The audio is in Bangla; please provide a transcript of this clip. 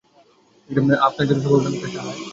আপনার জন্য শুভকামনা, মিস্টার সাহায়।